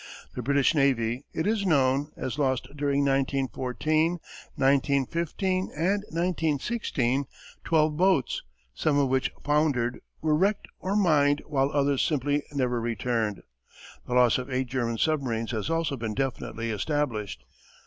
The British navy, it is known, has lost during 1914, 1915, and 1916 twelve boats, some of which foundered, were wrecked or mined while others simply never returned. The loss of eight German submarines has also been definitely established.